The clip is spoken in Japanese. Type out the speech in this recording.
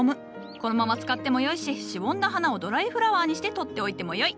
このまま使ってもよいししぼんだ花をドライフラワーにして取っておいてもよい。